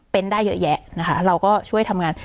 เป็นได้เยอะแยะนะคะเราก็ช่วยทำงาน